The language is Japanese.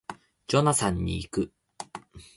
ジョナサンに行く